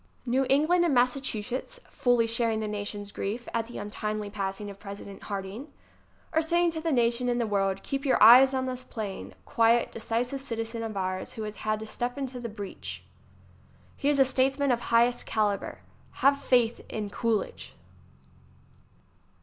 6 New England and Massachusetts, fully sharing the nation's grief at the untimely passing of Pres ident Harding, are saving to the nation and the world: "Keep your eyes on this plain, quiet, de cisive citizen of ours who has had to step into the breach. He is a statesman of highest calibre. Have faith in Coolidge!"